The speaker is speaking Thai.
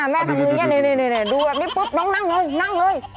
แม่ทำมืออย่างนี้นี่ดูนี่ปุ๊บน้องนั่งเลย